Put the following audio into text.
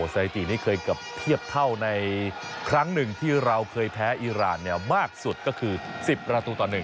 สถิตินี้เคยเกือบเทียบเท่าในครั้งหนึ่งที่เราเคยแพ้อิราณมากสุดก็คือ๑๐ประตูต่อ๑